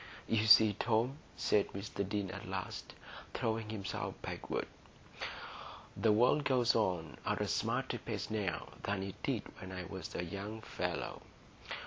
"You see, Tom," said Mr Deane at last, throwing himself backward, "the world goes on at a smarter pace now than it did when I was a young fellow.